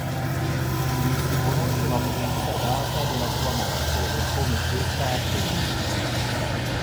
Non si conosce la precisa data della sua morte e come questa avvenne.